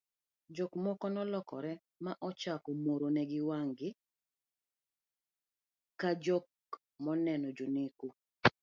jok moko nolokore ma ochako morone wangegi ka jok moneno janeko